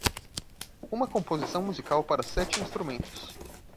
Uma composição musical para sete instrumentos.